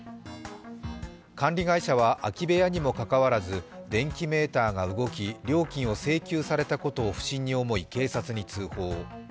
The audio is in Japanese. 管理会社は空き部屋にもかかわらず電気メーターが動き料金を請求されたことを不審に思い、警察に通報。